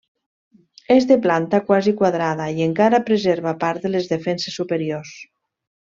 És de planta quasi quadrada i encara preserva part de les defenses superiors.